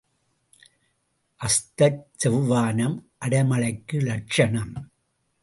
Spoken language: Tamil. அஸ்தச் செவ்வானம் அடை மழைக்கு லட்சணம்.